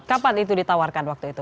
kapan itu ditawarkan waktu itu